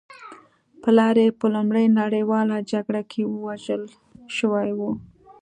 پلار یې په لومړۍ نړۍواله جګړه کې وژل شوی و